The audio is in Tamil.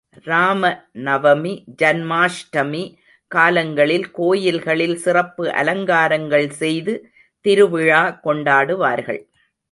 ராம நவமி, ஜன்மாஷ்டமி காலங்களில் கோயில்களில் சிறப்பு அலங்காரங்கள் செய்து திருவிழா கொண்டாடுவார்கள்.